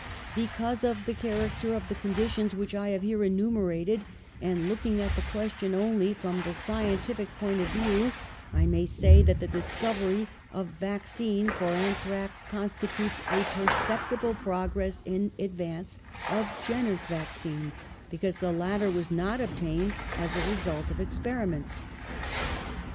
Because of the character of the conditions which I have here enumerated, and looking at the question only from the scientific point of view, I may say that the discovery of vaccine for anthrax constitutes a perceptible progress in advance of Jenner's vaccine, because the lat ter was not obtained as a result of experi ments.'